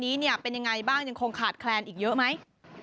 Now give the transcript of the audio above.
นี้เนี่ยเป็นยังไงบ้างยังคงขาดแคลนอีกเยอะไหม